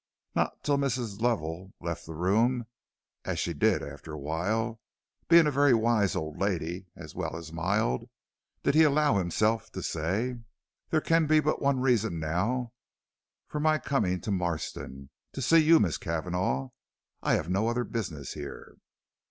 Not till Mrs. Lovell left the room, as she did after a while, being a very wise old lady as well as mild, did he allow himself to say: "There can be but one reason now for my coming to Marston to see you, Miss Cavanagh; I have no other business here."